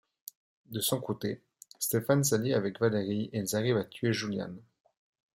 De son côté, Stefan s'allie avec Valérie et ils arrivent à tuer Julian.